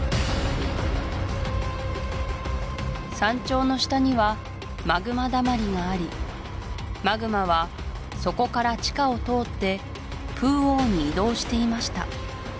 山頂の下にはマグマだまりがありマグマはそこから地下を通ってプウオオに移動していました